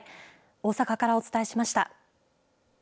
大阪からお伝えしました。